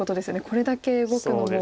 これだけ動くのも。